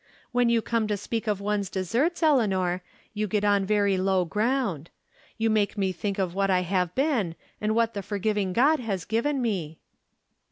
" When you come to speak of one's deserts, Eleanor, you get on very low ground. You make me think of what I have been, and what the forgiving God has given me